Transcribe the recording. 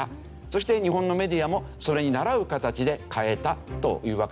そして日本のメディアもそれに倣う形で変えたというわけですね。